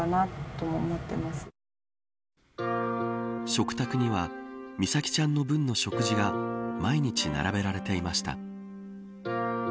食卓には美咲ちゃんの分の食事が毎日、並べられていました。